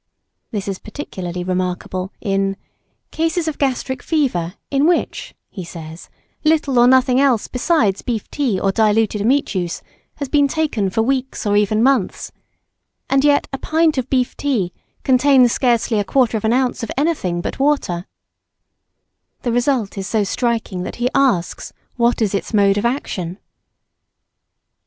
This is particularly remarkable in "cases of gastric fever, in which," he says, "little or nothing else besides beef tea or diluted meat juice" has been taken for weeks or even months, "and yet a pint of beef tea contains scarcely 1/4 oz. of anything but water," the result is so striking that he asks what is its mode of action?